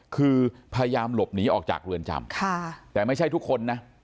คือพยายามหลบหนีออกจากเรือนจำแต่ไม่ใช่ทุกคนนะ